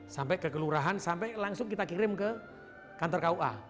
sampai ke kelurahan sampai langsung kita kirim ke kantor kua